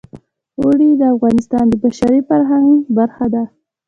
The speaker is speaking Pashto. اوړي د افغانستان د بشري فرهنګ برخه ده.